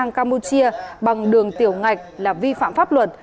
sang campuchia bằng đường tiểu ngạch là vi phạm pháp luật